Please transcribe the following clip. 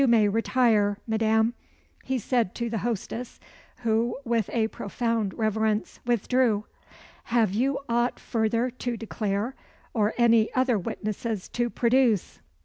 "You may retire, Madame," he added to the hostess, who, with a profound reverence, withdrew. "Have you aught further to declare, or any other witnesses to produce?"